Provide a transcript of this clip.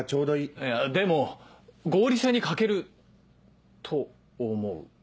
いやでも合理性に欠けると思う。